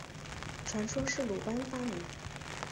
传说是鲁班发明。